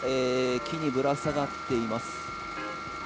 木にぶら下がっています。